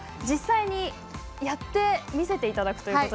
実際にやって見せていただくと。